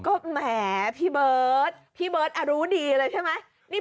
ก็แหมพี่เบิร์ตพี่เบิร์ตรู้ดีเลยใช่ไหม